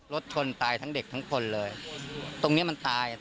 รถชนตายทั้งเด็กทั้งคนเลยตรงเนี้ยมันตาย